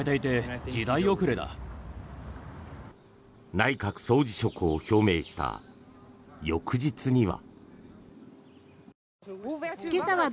内閣総辞職を表明した翌日には。